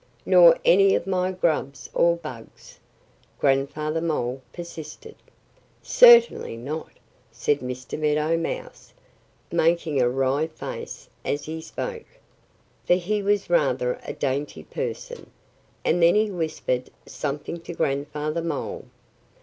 "Nor any of my grubs or bugs?" Grandfather Mole persisted. "Certainly not!" said Mr. Meadow Mouse, making a wry face as he spoke for he was rather a dainty person. And then he whispered something to Grandfather Mole.